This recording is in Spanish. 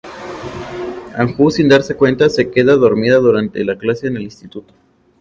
Anju sin darse cuenta se queda dormida durante la clase en el instituto.